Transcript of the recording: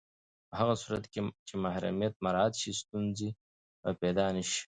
په هغه صورت کې چې محرمیت مراعت شي، ستونزې به پیدا نه شي.